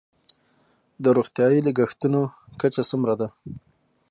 د روغتیايي لګښتونو کچه څومره ده؟